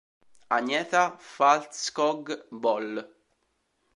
Agnetha Fältskog vol.